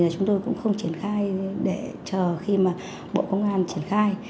chúng tôi cũng không triển khai để chờ khi mà bộ công an triển khai